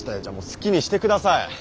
じゃあもう好きにしてください。